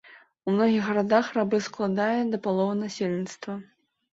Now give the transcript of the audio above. У многіх гарадах рабы складаюць да паловы насельніцтва.